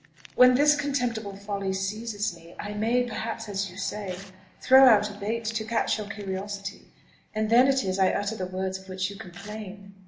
When this contemptible folly seizes me, I may, perhaps, as you say, throw out a bait to catch your curiosity, and then it is I utter the words of which you complain.